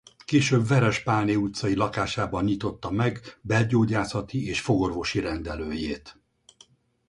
Később Veress Pálné utcai lakásában nyitotta meg belgyógyászati és fogorvosi rendelőjét.